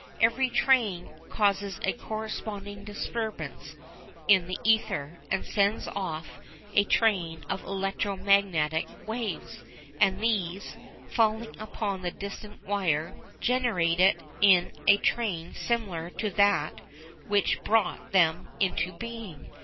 Every train causes a corresponding disturbance in the ether, and sends off a train of electro magnetic waves, and these, falling upon the distant wire, generate in it a train similar to that which brought them into being.